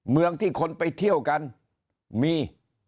เมืองที่คนไปเที่ยวกันมี